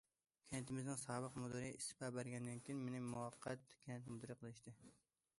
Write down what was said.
كەنتىمىزنىڭ سابىق مۇدىرى ئىستېپا بەرگەندىن كېيىن، مېنى مۇۋەققەت كەنت مۇدىرى قىلىشتى.